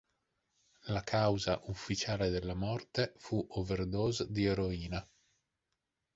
La causa ufficiale della morte fu overdose di eroina.